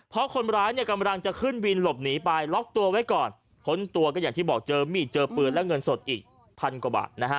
เพราะคนร้ายเนี่ยกำลังจะขึ้นวินหลบหนีไปล็อกตัวไว้ก่อนค้นตัวก็อย่างที่บอกเจอมีดเจอปืนและเงินสดอีกพันกว่าบาทนะฮะ